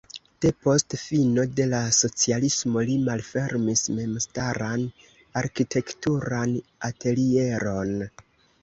Depost fino de la socialismo li malfermis memstaran arkitekturan atelieron.